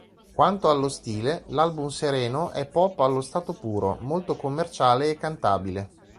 Quanto allo stile, l'album Sereno è pop allo stato puro, molto commerciale e cantabile.